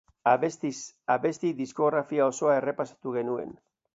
Abestiz abesti diskografia osoa errepasatu genuen.